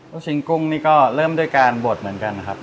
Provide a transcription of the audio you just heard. ลูกชิ้นกุ้งนี่ก็เริ่มด้วยการบดเหมือนกันนะครับ